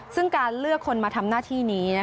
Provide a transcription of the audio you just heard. ซึ่งการเลือกคนมาทำหน้าที่นี้